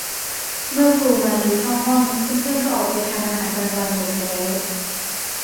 เมื่อครูมาลีเข้าห้องเพื่อน ๆ ก็ออกไปทานอาหารกลางวันหมดแล้ว